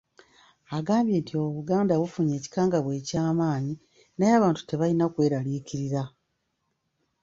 Agambye nti Obuganda bufunye ekikaangabwa ekyamanyi, naye abantu tebalina kweraliikirira.